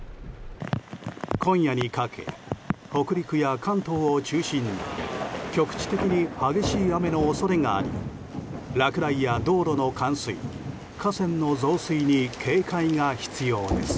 今夜にかけ北陸や関東を中心に局地的に激しい雨の恐れがあり落雷や道路の冠水河川の増水に警戒が必要です。